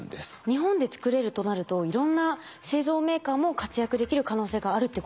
日本で作れるとなるといろんな製造メーカーも活躍できる可能性があるってことですか？